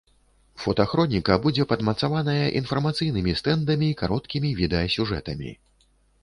Фотахроніка будзе падмацаваная інфармацыйнымі стэндамі і кароткімі відэасюжэтамі.